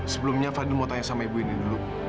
sebelumnya fadli mau tanya sama ibu ini dulu